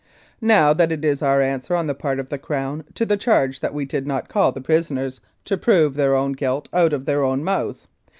Now that is our answer on the part of the Crown to the charge that we did not call the prisoners to prove their own guilt out of their own mouths.